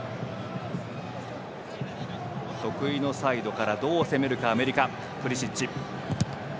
得意のサイドからどう攻めるかアメリカ、プリシッチ。